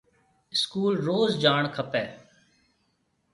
اسڪول روز جاڻ کپيَ۔